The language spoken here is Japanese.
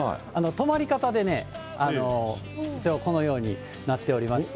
止まり方でね、一応、このようになっておりまして。